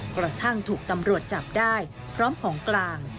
กระทั่งถูกตำรวจจับได้พร้อมของกลาง